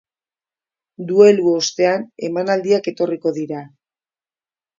Duelu ostean emanaldiak etorriko dira.